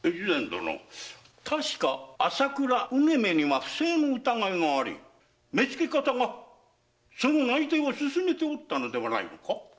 確か朝倉采女には不正の疑いがあり目付方が内偵を進めておったのではないのか？